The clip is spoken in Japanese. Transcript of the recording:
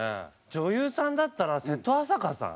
女優さんだったら瀬戸朝香さん。